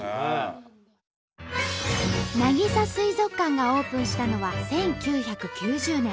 なぎさ水族館がオープンしたのは１９９０年。